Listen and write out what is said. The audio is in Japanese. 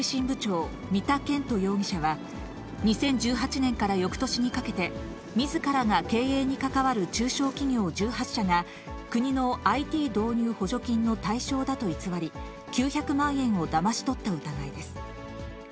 部長、三田研人容疑者は、２０１８年からよくとしにかけて、みずからが経営に関わる中小企業１８社が、国のＩＴ導入補助金の対象だと偽り、９００万円をだまし取った疑いです。